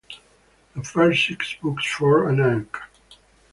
The first six books form an arc.